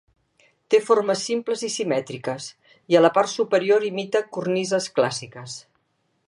Té formes simples i simètriques, i a la part superior imita cornises clàssiques.